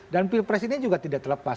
dan pilpres ini juga tidak terlepas